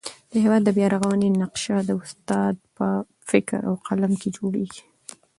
د هېواد د بیارغونې نقشه د استاد په فکر او قلم کي جوړېږي.